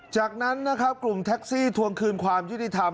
จากนั้นกลุ่มแท็กซีทวงคืนความยู้นิธรรม